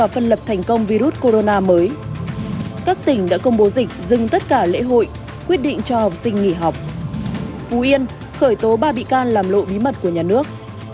phú yên khởi tố ba bị can làm lộ bí mật của nhà nước